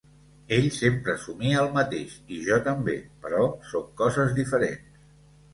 Ell sempre somia el mateix i jo també, però són coses diferents.